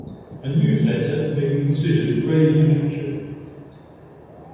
A newsletter may be considered grey literature.